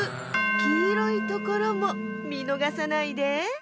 きいろいところもみのがさないで。